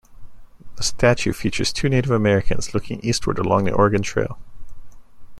The statue features two Native Americans looking eastward along the Oregon Trail.